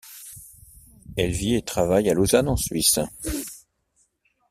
Elle vit et travaille à Lausanne en Suisse.